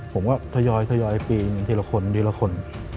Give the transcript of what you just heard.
ผมก็ทยอยปีนิดละคน